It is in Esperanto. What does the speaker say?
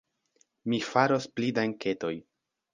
Mi faros pli da enketoj.